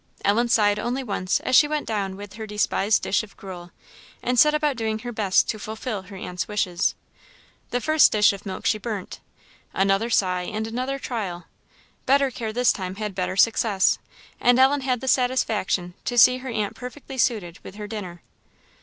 Ellen sighed only once as she went down with her despised dish of gruel, and set about doing her best to fulfil her aunt's wishes. The first dish of milk she burnt; another sigh and another trial; better care this time had better success, and Ellen had the satisfaction to see her aunt perfectly suited with her dinner.